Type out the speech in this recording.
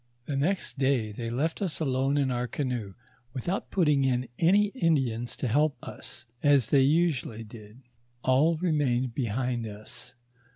The next day they left us alone in our canoe, without put ting in any Indians to help us, as they usually did ; all re mained behind us.